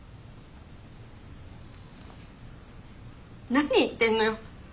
なに言ってんのよ。